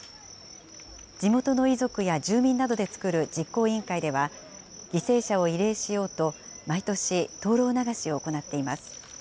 地元の遺族や住民などで作る実行委員会では、犠牲者を慰霊しようと、毎年、灯籠流しを行っています。